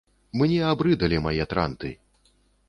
Мне абрыдалі мае транты.